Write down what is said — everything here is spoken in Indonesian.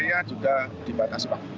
termasuk juga kami menghubung agar